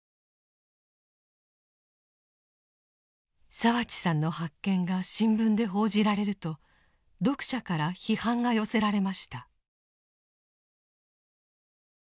澤地さんの発見が新聞で報じられると読者から批判が寄せられました。